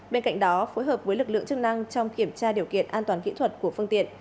bên cạnh đó phối hợp với lực lượng chức năng trong kiểm tra điều kiện an toàn kỹ thuật của phương tiện